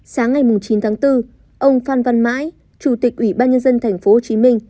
sáng ngày chín tháng bốn ông phan văn mãi chủ tịch ủy ban nhân dân tp hcm